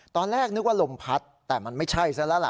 ตอนแรกนึกว่าลมพัดแต่มันไม่ใช่ซะแล้วล่ะ